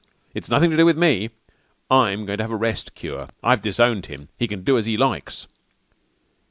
It's nothing to do with me. I'm going to have a rest cure. I've disowned him. He can do as he likes."